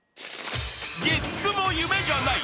［月９も夢じゃない。